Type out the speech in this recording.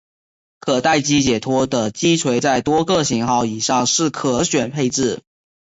可待击解脱的击锤在多个型号以上是可选配备。